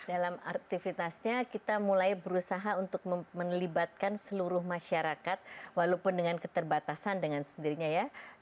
dalam aktivitasnya kita mulai berusaha untuk melibatkan seluruh masyarakat walaupun dengan keterbatasan dengan sendirinya ya